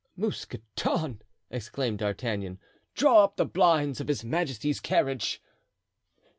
"Mousqueton!" exclaimed D'Artagnan, "draw up the blinds of his majesty's carriage."